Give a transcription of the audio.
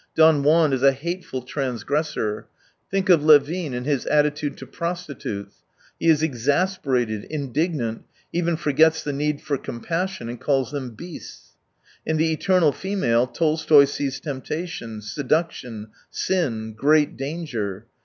Don Juan is a hateful transgressor. Think of Levin, and his attitude to prostitutes. He is exasper ated, indignant, even forgets the need for compassion, and calls them "beasts." In the eternal female Tolstoy sees temptation, Seduction, sin, great danger.